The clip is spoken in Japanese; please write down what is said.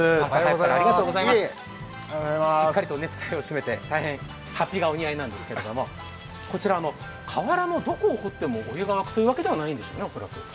しっかりとネクタイを絞めてはっぴがお似合いですけど、こちら、河原のどこを掘ってもお湯が湧くというわけではないんですね。